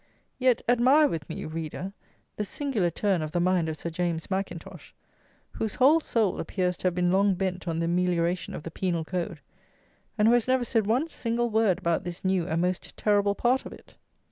Yet, admire with me, reader, the singular turn of the mind of Sir James Mackintosh, whose whole soul appears to have been long bent on the "amelioration of the Penal Code," and who has never said one single word about this new and most terrible part of it!